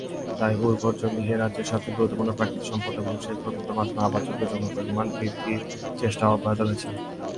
তাই উর্বর জমি এ রাজ্যের সবচেয়ে গুরুত্বপূর্ণ প্রাকৃতিক সম্পদ, এবং সেচ প্রকল্পের মাধ্যমে আবাদযোগ্য জমির পরিমাণ বৃদ্ধির চেষ্টা অব্যাহত রয়েছে।